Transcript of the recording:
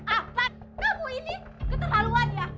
apaan kamu ini keterlaluan ya